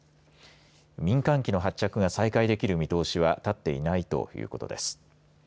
民間機の発着が再開できる見通しは立っていないということです。